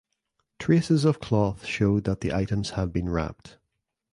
Traces of cloth showed that the items had been wrapped.